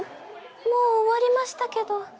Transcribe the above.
もう終わりましたけど。